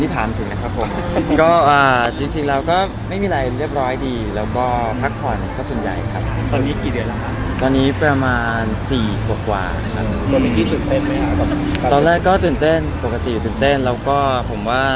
ติดหน่อยมาถึง